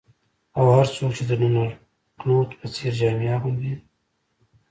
او هر څوک چې د ډونالډ کنوت په څیر جامې اغوندي